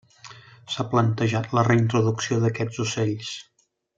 S'ha planejat la reintroducció d'aquests ocells.